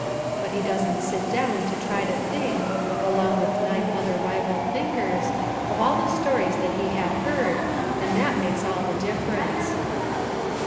But he doesn't sit down to try to think, along with nine other rival thinkers, of all the stories that he had heard, and that makes all the difference.